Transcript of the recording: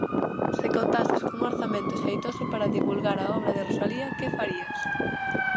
Se contases cun orzamento xeitoso para divulgar a obra de Rosalía, que farías?